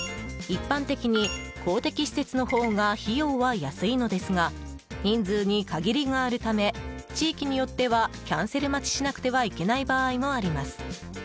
一般的に公的施設の方が費用は安いのですが人数に限りがあるため地域によってはキャンセル待ちしなくてはいけない場合もあります。